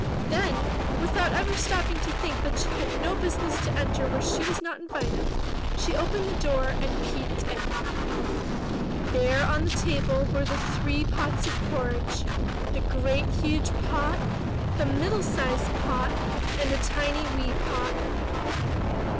Then, without ever stopping to think that she had no business to enter where she was not invited, she opened the door and peeped in. There on the table were the three pots of porridge, — the great huge pot, the middle sized pot, and the tiny wee pot.